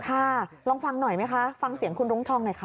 ค่ะลองฟังหน่อยไหมคะฟังเสียงคุณรุ้งทองหน่อยค่ะ